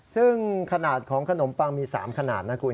ซึ่งขนาดของขนมปังมี๓ขนาดนะคุณ